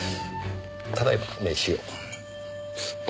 ただいま名刺を。